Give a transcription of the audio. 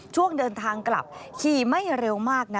ช่วงเดินทางกลับขี่ไม่เร็วมากนะ